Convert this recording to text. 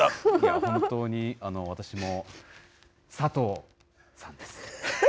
本当に私も、佐藤さんです。